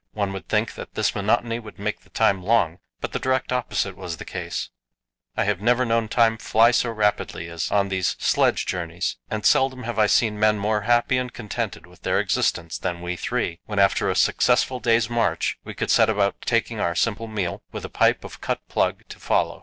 One would think that this monotony would make the time long, but the direct opposite was the case. I have never known time fly so rapidly as on these sledge journeys, and seldom have I seen men more happy and contented with their existence than we three, when after a successful day's march we could set about taking our simple meal, with a pipe of cut plug to follow.